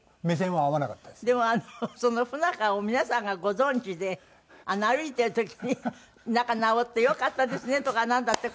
でもその不仲を皆さんがご存じで歩いてる時に「仲直ってよかったですね」とかなんだって